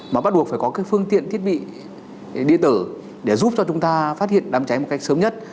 mà bắt buộc phải có cái phương tiện thiết bị điện tử để giúp cho chúng ta phát hiện đám cháy một cách sớm nhất